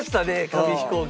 紙飛行機。